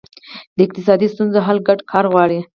د اقتصادي ستونزو حل ګډ کار غواړي.